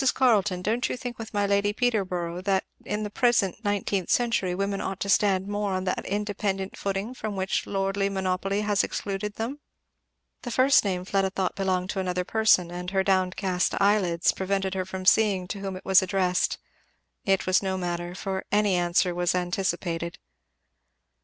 Carleton, don't you think with my Lady Peterborough that in the present nineteenth century women ought to stand more on that independent footing from which lordly monopoly has excluded them?" The first name Fleda thought belonged to another person, and her downcast eyelids prevented her seeing to whom it was addressed. It was no matter, for any answer was anticipated.